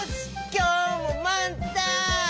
きょうもまんたん！